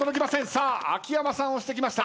さあ秋山さん押してきました。